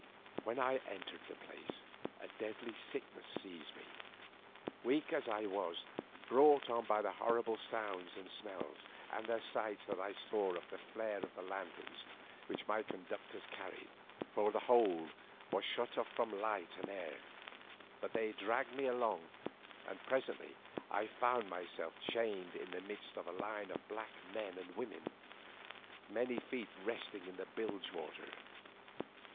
When I entered the place a deadly sickness seized me, weak as I was, brought on by the horrible sounds and smells, and the sights that I saw in the flare of the lanterns which my conductors carried, for the hold was shut off from light and air. But they dragged me along and presently I found myself chained in the midst of a line of black men and women, many feet resting in the bilge water.